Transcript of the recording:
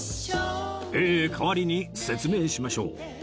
えー代わりに説明しましょう